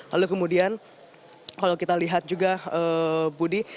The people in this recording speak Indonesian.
lalu kemudian kalau kita lihat juga budi